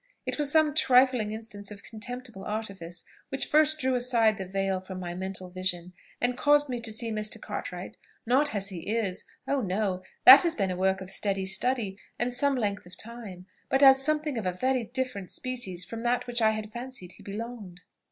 "It was some trifling instance of contemptible artifice which first drew aside the veil from my mental vision, and caused me to see Mr. Cartwright, not as he is oh no! that has been a work of steady study, and some length of time, but as something of a very different species from that to which I had fancied he belonged.